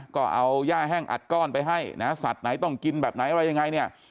ก็เอาย่าแห้งอัดก้อนไปให้นะสัตว์ไหนต้องกินแบบไหนอะไรยังไงเนี่ย